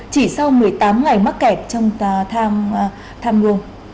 chỉ sau một mươi tám ngày mắc kẹt trong tham mưu